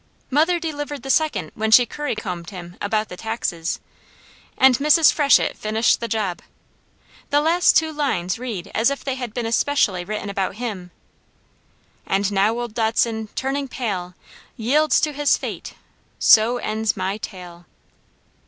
Mother delivered the second when she curry combed him about the taxes, and Mrs. Freshett finished the job. The last two lines read as if they had been especially written about him: "And now old Dodson, turning pale, Yields to his fate so ends my tale."